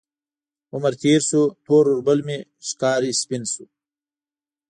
عمر تیر شو، تور اوربل مې ښکاري سپین شو